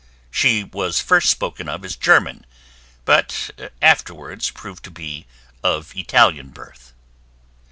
She was first spoken of as German, but afterwards proved to be of Italian birth.